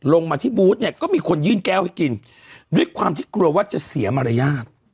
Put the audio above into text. ลงมาที่บูธเนี่ยก็มีคนยื่นแก้วให้กินด้วยความที่กลัวว่าจะเสียมารยาท